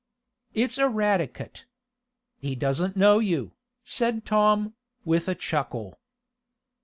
"It's Eradicate. He doesn't know you," said Tom, with a chuckle.